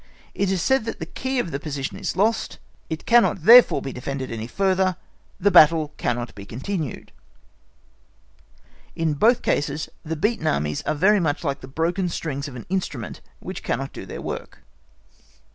It is said the key of the position is lost, it cannot therefore be defended any further; the battle cannot be continued. In both cases the beaten Armies are very much like the broken strings of an instrument which cannot do their work.